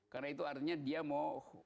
karena itu artinya dia mau